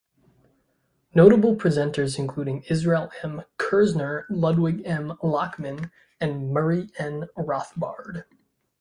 Notable presenters included Israel M. Kirzner, Ludwig M. Lachmann, and Murray N. Rothbard.